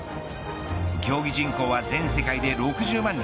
競技人口は全世界で６０万人。